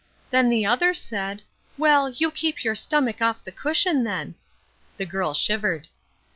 Then the other said, 'Well, you keep your stomach off the cushion then.'" The girl shivered.